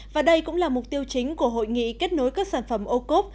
và đây cũng là mục tiêu chính của hội nghị kết nối các sản phẩm ô cốp